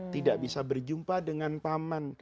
tidak bisa berjumpa dengan paman